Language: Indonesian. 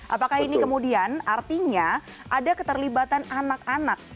apakah ini kemudian artinya ada keterlibatan anak anak